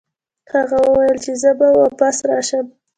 هغه وویل چې زه به واپس راشم.